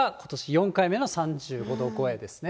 ４回目の３５度超えですね。